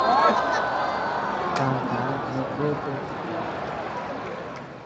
Kanta noo kuete.